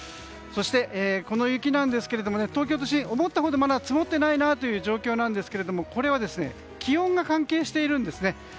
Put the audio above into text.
そして、この雪なんですが東京都心、思ったほどまだ積もっていないなという状況なんですがこれは気温が関係しているんですね。